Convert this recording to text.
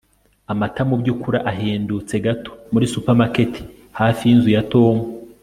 amata mubyukuri ahendutse gato muri supermarket hafi yinzu ya tom